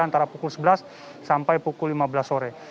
antara pukul sebelas sampai pukul lima belas sore